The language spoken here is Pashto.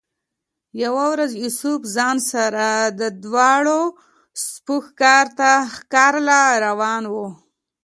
يوه ورځ يوسف خان سره د دواړو سپو ښکار له روان وۀ